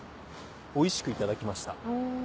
おいしくいただきました。